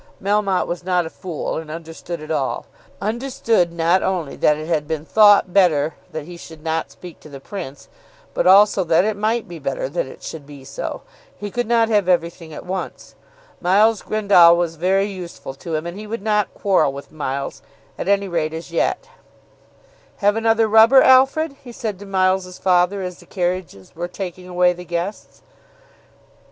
Melmotte was not a fool, and understood it all; understood not only that it had been thought better that he should not speak to the Prince, but also that it might be better that it should be so. He could not have everything at once. Miles Grendall was very useful to him, and he would not quarrel with Miles, at any rate as yet. [Illustration: The Duchess followed with the male victim.] "Have another rubber, Alfred?" he said to Miles's father as the carriages were taking away the guests.